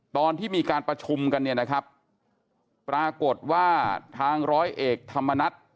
ตอนที่มีการประชุมกันปรากฏว่าทางร้อยเอกธรรมนัฐ